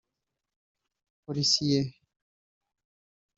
policies